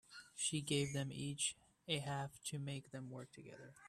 She gave them each a half to make them work together.